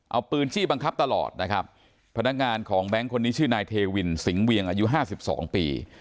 เอาปืนจี้บังคับตลอดนะครับพนักงานของแบงค์คนนี้ชื่อนายเทวินสิงหเวียงอายุห้าสิบสองปี